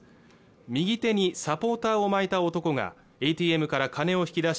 右手にサポーターを巻いた男がＡＴＭから金を引き出し